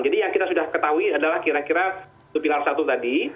jadi yang kita sudah ketahui adalah kira kira itu pilar satu tadi